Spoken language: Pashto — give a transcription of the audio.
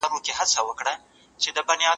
هېڅ نهویني